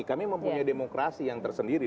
kami mempunyai demokrasi yang tersendiri